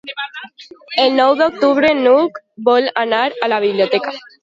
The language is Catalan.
El nou d'octubre n'Hug vol anar a la biblioteca.